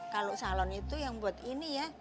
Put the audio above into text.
kalau salon itu yang buat ini ya